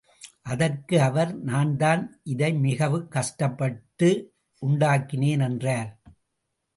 அதற்கு அவர், நான்தான் இதை மிகக் கஷ்டப்பட்டு உண்டாக்கினேன் என்றார்.